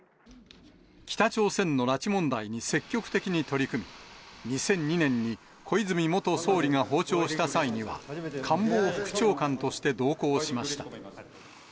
北朝鮮の拉致問題に積極的に取り組み、２００２年に小泉元総理が訪朝した際には、官房副長官として同行しました。